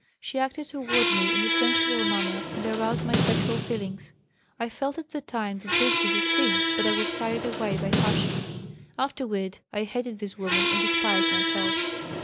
She acted toward me in a sensual manner and aroused my sexual feelings. I felt at the time that this was a sin, but I was carried away by passion. Afterward I hated this woman and despised myself.